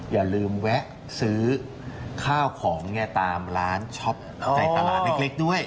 อย่าลืมแวะซื้อข้าวของตามร้านช็อปในตลาดเล็กด้วย